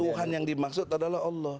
tuhan yang dimaksud adalah allah